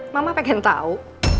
mama pengen tau